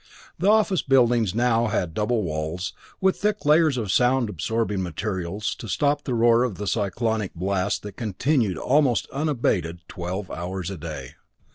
The office buildings now had double walls, with thick layers of sound absorbing materials, to stop the roar of the cyclonic blast that continued almost unabated twelve hours a day.